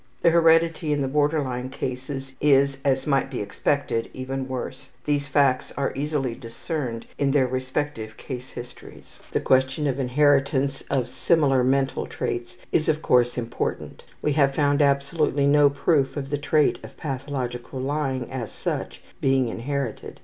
The heredity in the border line cases is, as might be expected, even worse. These facts are easily discerned in their respective case histories. The question of inheritance of similar mental traits is, of course, important. We have found absolutely no proof of the trait of pathological lying, as such, being inherited.